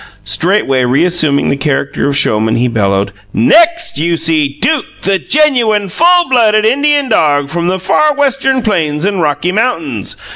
Straightway reassuming the character of showman, he bellowed: "NEXT, you see Duke, the genuine, full blooded Indian dog from the far Western Plains and Rocky Mountains.